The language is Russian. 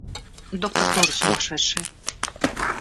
— Доктор тоже сумасшедший.